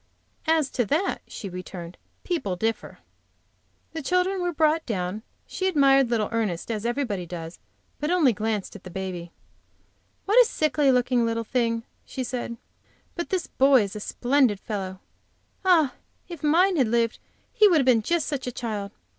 "As to that," she returned, "people differ." The children were brought down. She admired little Ernest, as everybody does, but only glanced at the baby. "What a sickly looking little thing!" she said. "But this boy is a splendid fellow! Ah, if mine had lived he would have been just such a child!